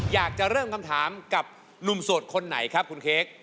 อยากจะเริ่มคำถามกับหนุ่มโสดคนไหนครับคุณเค้ก